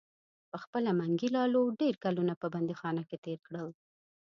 پخپله منګي لالو ډیر کلونه په بندیخانه کې تیر کړل.